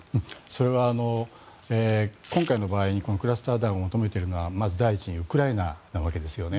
それは今回の場合にクラスター弾を求めているのはまず第一にウクライナなわけですよね。